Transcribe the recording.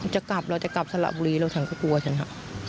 จะกลับเราจะกลับสระบุรีแล้วฉันก็กลัวฉันค่ะ